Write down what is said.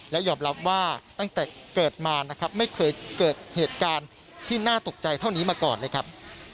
และยอมรับว่าตั้งแต่เกิดมานะครับไม่เคยเกิดเหตุการณ์ที่น่าตกใจเท่านี้มาก่อนเลยครับ